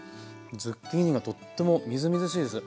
ズッキーニがとってもみずみずしいです。